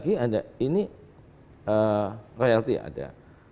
ini royalty ada